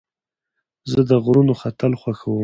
زه د غرونو ختل خوښوم.